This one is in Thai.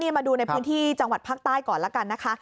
มาดูในพื้นที่จังหวัดภาคใต้ก่อนแล้วกันนะคะ